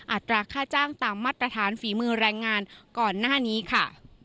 อัตราค่าจ้างตามมาตรฐานฝีมือแรงงานก่อนหน้านี้ค่ะ